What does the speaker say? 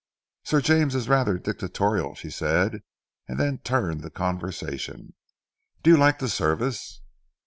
"Sir James is rather dictatorial," she said, and then turned the conversation. "Do you like the service?"